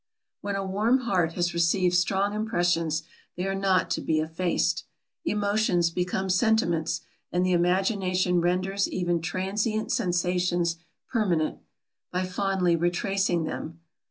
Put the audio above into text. "When a warm heart has received strong impressions, they are not to be effaced. Emotions become sentiments; and the imagination renders even transient sensations permanent, by fondly retracing them.